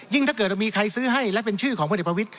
ยิ่งถ้าเกิดมีใครซื้อให้และเป็นชื่อของผู้เด็กพระวิทย์